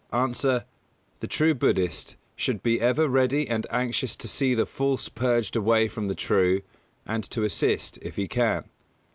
_ A. The true Buddhist should be ever ready and anxious to see the false purged away from the true, and to assist, if he can.